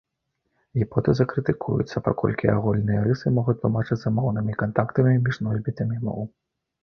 Гіпотэза крытыкуецца, паколькі агульныя рысы могуць тлумачыцца моўнымі кантактамі між носьбітамі моў.